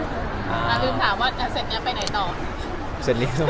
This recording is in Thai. ถ้าลืมถามว่าเสร็จเนี่ยไปไหนต่อ